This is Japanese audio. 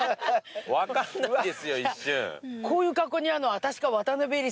分かんないですよ一瞬。